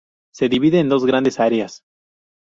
Se divide en dos grandes áreas.